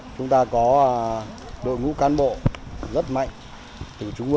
chúng ta có đội ngũ can bộ rất mạnh